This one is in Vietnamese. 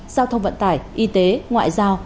giao thông vận tải y tế ngoại giao